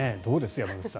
山口さん。